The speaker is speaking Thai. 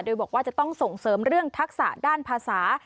โดยบอกว่าจะต้องส่งเสริมเรื่องทักษะด้านภาษา